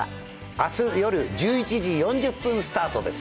明日夜１１時４０分スタートです。